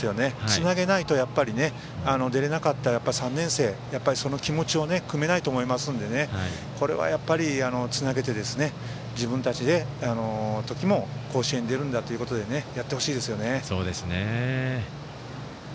つなげないと出れなかった３年生のその気持ちをくめないと思いますのでこれはつなげて、自分たちの時も甲子園に出るんだということでやってほしいですね。